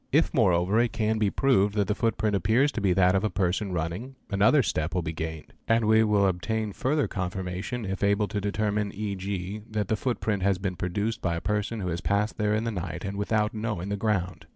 If moreover it can be proved that the footprint appears to be that of a person running, another step will be gained; and we will : obtain further confirmation if able to determine, e.g., that the footprint has been produced by a person who has passed there in the night and without knowing the ground.